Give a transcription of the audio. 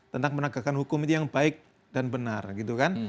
tentang penegakan hukum itu yang baik dan benar gitu kan